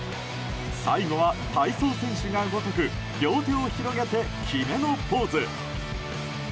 最後は体操選手がごとく両手を広げて決めのポーズ。